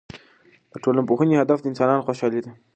د ټولنپوهنې هدف د انسانانو خوشحالي ده.